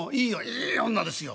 「いい女ですよ」。